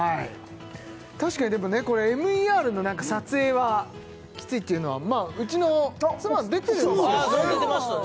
確かにＭＥＲの撮影はきついっていうのはまあうちの妻出てるんです・出てましたね